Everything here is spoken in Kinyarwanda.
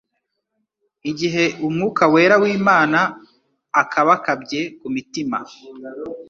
igihe Umwuka wera w'Imana akabakabye ku mutima,